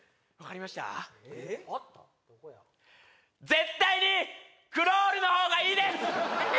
絶対にクロールのほうがいいです